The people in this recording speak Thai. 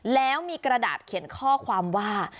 แล้วมีกระดาษเขียนข้อความว่า